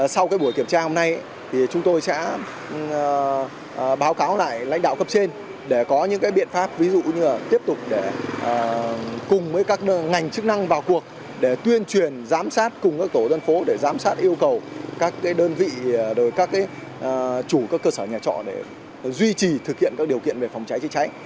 sau buổi kiểm tra hôm nay thì chúng tôi sẽ báo cáo lại lãnh đạo cấp trên để có những biện pháp ví dụ như là tiếp tục cùng với các ngành chức năng vào cuộc để tuyên truyền giám sát cùng các tổ dân phố để giám sát yêu cầu các đơn vị các chủ cơ sở nhà trọng để duy trì thực hiện các điều kiện về phòng cháy chế cháy